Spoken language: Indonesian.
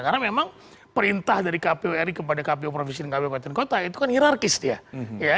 karena memang perintah dari kpu ri kepada kpu provinsi dan kpu kabupaten kota itu kan hirarkis dia